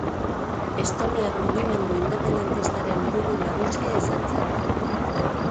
Estoniar mugimendu independentistaren buru nagusia izan zen.